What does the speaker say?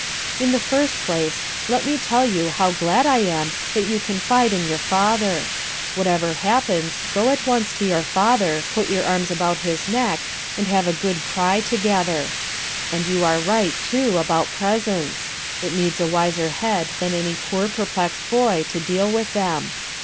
"In the first place, let me tell you how glad I am that you confide in your father. Whatever happens, go at once to your father, put your arms about his neck, and have a good cry together. And you are right, too, about presents. It needs a wiser head than my poor perplexed boy to deal with them.